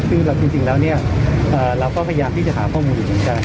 ซึ่งจริงแล้วเนี่ยเราก็พยายามที่จะหาข้อมูลอยู่เหมือนกัน